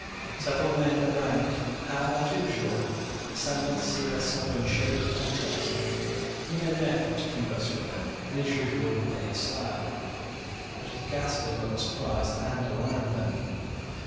Several men of rank had, as usual, assembled to see their sovereign shaved and dressed. He made an effort to converse with them in his usual gay style; but his ghastly look surprised and alarmed them.